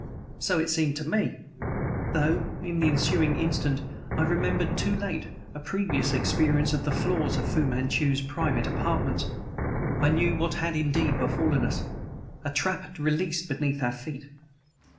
So it seemed to me; though, in the ensuing instant I remembered, too late, a previous experience of the floors of Fu Manchu's private apartments; I knew what had indeed befallen us. A trap had been released beneath our feet.